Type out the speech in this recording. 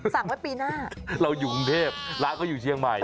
สั่งไว้ปีหน้าเราอยู่กรุงเทพร้านเขาอยู่เชียงใหม่